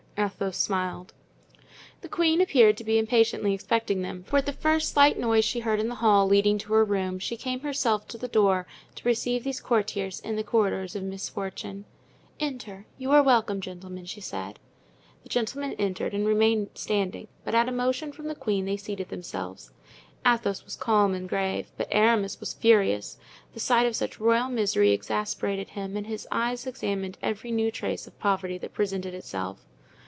Athos smiled. The queen appeared to be impatiently expecting them, for at the first slight noise she heard in the hall leading to her room she came herself to the door to receive these courtiers in the corridors of Misfortune. "Enter. You are welcome, gentlemen," she said. The gentlemen entered and remained standing, but at a motion from the queen they seated themselves. Athos was calm and grave, but Aramis was furious; the sight of such royal misery exasperated him and his eyes examined every new trace of poverty that presented itself.